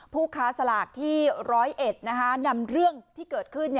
ผู้ค้าสลากที่๑๐๑นำเรื่องที่เกิดขึ้น